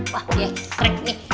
wah ekstrik nih